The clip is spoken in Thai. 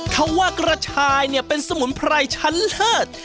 เขาว่ากระชายเนี่ยเป็นสมุนไพรชั้นเลิศ